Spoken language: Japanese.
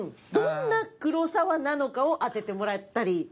どんな黒沢なのかを当ててもらったり。